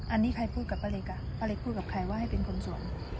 อันนี้ใครพูดกับป้าเล็กอ่ะป้าเล็กพูดกับใครว่าให้เป็นคนสวม